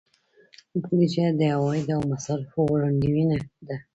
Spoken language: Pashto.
بودیجه د عوایدو او مصارفو وړاندوینه ده.